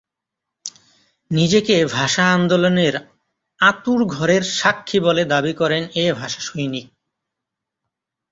নিজেকে ভাষা আন্দোলনের 'আঁতুড় ঘরের' সাক্ষী বলে দাবি করেন এ ভাষাসৈনিক।